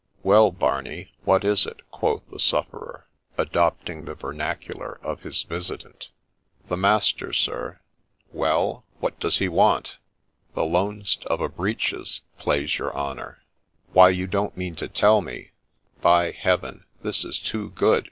' Well, Barney, what is it ?' quoth the sufferer, adopting the vernacular of his visitant. ' The master, sir '' Well, what does he want T ' 4 The loanst of a breeches, plase your honour.' ' Why, you don't mean to tell me By Heaven, this is too good